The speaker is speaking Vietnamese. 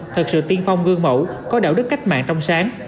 thật sự tiên phong gương mẫu có đạo đức cách mạng trong sáng